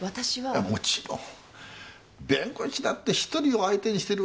いやもちろん弁護士だって１人を相手にしてるわけじゃない。